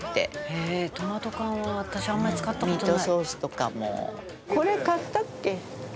「へえトマト缶は私あんまり使った事ない」「ミートソースとかも」